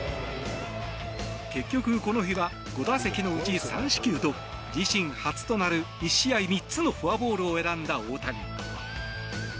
結局、この日は５打席のうち３四球と自身初となる１試合３つのフォアボールを選んだ大谷。